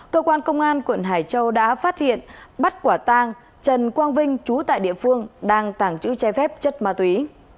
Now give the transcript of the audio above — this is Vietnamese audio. cơ quan công an quận hải châu đã phát hiện bắt quả tang trần quang vinh chú tại địa phương đang tàng trữ che phép chất ma túy